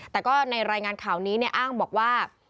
แต่ก็ในรายงานข่าวนี้อ้างบอกว่า